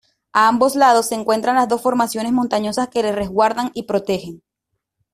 A ambos lados se encuentran las dos formaciones montañosas que la resguardan y protegen.